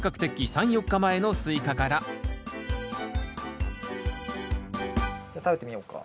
３４日前のスイカからじゃあ食べてみよっか。